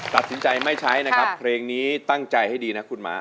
ตัดสินใจไม่ใช้นะครับเพลงนี้ตั้งใจให้ดีนะคุณหมา